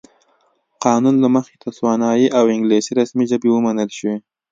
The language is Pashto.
قانون له مخې تسوانایي او انګلیسي رسمي ژبې ومنل شوې.